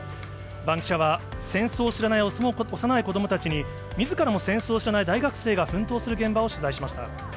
バンキシャは戦争を知らない幼い子どもたちに、みずからも戦争を知らない大学生が奮闘する現場を取材しました。